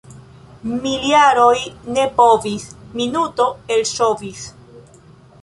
Miljaroj ne povis, — minuto elŝovis.